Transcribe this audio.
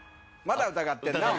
まだ疑ってるな。